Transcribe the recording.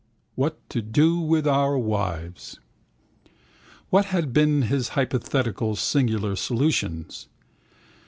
What to do with our wives. What had been his hypothetical singular solutions?